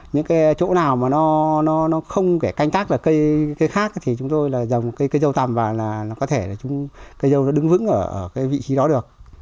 những cái chỗ nào mà nó không kẻ canh tác là cây khác thì chúng tôi dòng cây dâu tầm vào là có thể cây dâu nó đứng vững ở cái vị trí đó được